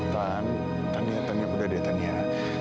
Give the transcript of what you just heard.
tan tania tania udah deh tania